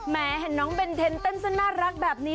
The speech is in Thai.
แม้เห็นน้องเบ้นเต้นเต้นสั้นน่ารักแบบนี้